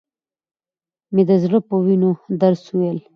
مې د زړه په وينو درس وويل.